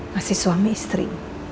masih suami istri